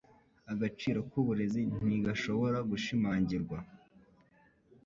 Agaciro k'uburezi ntigashobora gushimangirwa.